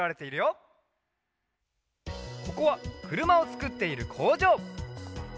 ここはくるまをつくっているこうじょう。